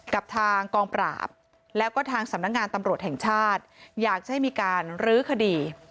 กับทางกองปราบแล้วก็ทางสำนักงานตำรวจแห่งชาติอยากจะให้มีการรื้อคดี